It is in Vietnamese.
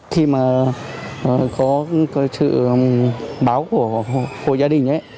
khi mà có sự báo của hội gia đình ấy